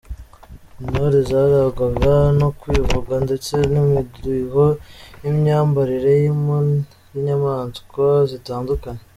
Intore zarangwaga no kwivuga ndetse n’umudiho n’imyambarire y’impu zinyamanswa zitandukanye.